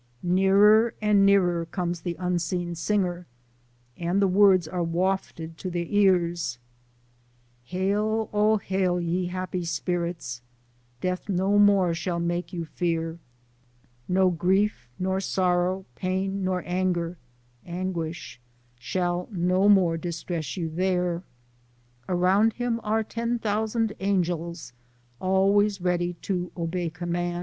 Nearer and nearer comes the unseen singer, and the words are wafted to their ears: Hail, oh hail ye happy spirits, Death no more shall make you fear, No grief nor sorrow, pain nor anger (anguish) Shall no more distress you there. Around him are ten thousan' angels, Always ready to 'bey comman'.